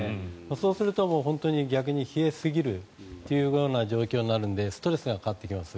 そうすると本当に逆に冷えすぎるという状況になるのでストレスがかかってきます。